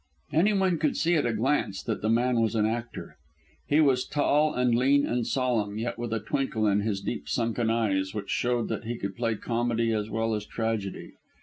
Anyone could see at a glance that the man was an actor. He was tall, and lean, and solemn, yet with a twinkle in his deep sunken eyes, which showed that he could play comedy as well as tragedy.